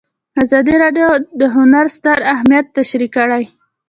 ازادي راډیو د هنر ستر اهميت تشریح کړی.